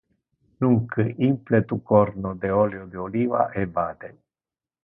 Nunc imple tu corno de oleo de oliva e vade.